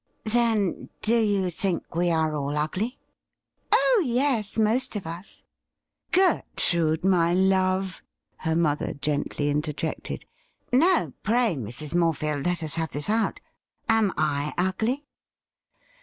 ' Then, do you think we are all ugly ?"' Oh yes — most of us.' ' Gertrude, my love !' her mother gently interjected. ' No, pray, Mrs. Morefield, let us have this out. Am I ugly